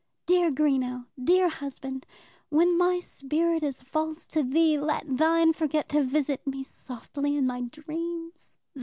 "Dear Greenow; dear husband! When my spirit is false to thee, let thine forget to visit me softly in my dreams.